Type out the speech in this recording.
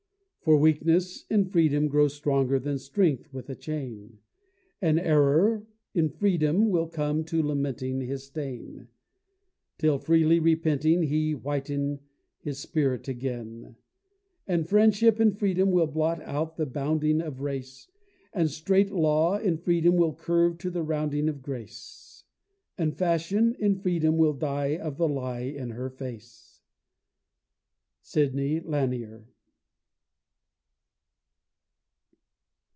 For Weakness, in freedom, grows stronger than Strength with a chain; And Error, in freedom, will come to lamenting his stain, Till freely repenting he whiten his spirit again; And Friendship, in freedom, will blot out the bounding of race; And straight Law, in freedom, will curve to the rounding of grace; And Fashion, in freedom, will die of the lie in her face. SIDNEY LANIER.